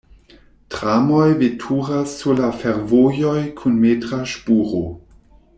Tramoj veturas sur da fervojoj kun metra ŝpuro.